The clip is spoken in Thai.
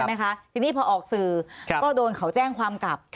ไหมคะทีนี้พอออกสื่อก็โดนเขาแจ้งความกลับ